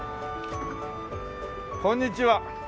こんにちは！